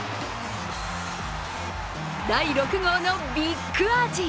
第６号のビッグアーチ。